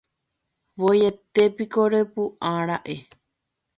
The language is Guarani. ¡Voietépiko repu'ãra'e!